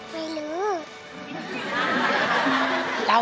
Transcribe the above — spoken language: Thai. พี่โภค